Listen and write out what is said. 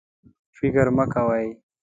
فکر مه کوئ